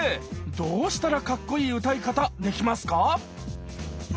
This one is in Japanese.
どうしたらカッコイイ歌い方できますか？